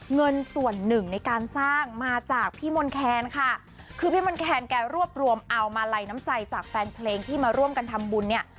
เงินส่วนหนึ่งในการสร้างมาจากพี่มนต์แคนค่ะคือพี่มนต์แคนแกรวบรวมเอามาลัยน้ำใจจากแฟนเพลงที่มาร่วมกันทำบุญเนี่ย